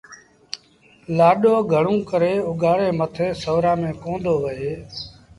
لآڏو گھڻوݩ ڪري اُگھآڙي مٿي سُورآݩ ميݩ ڪوندو وهي